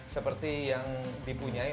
seperti yang dipunyai